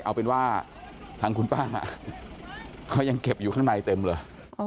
เอาเป็นว่าทางคุณป้าเขายังเก็บอยู่ข้างในเต็มเลย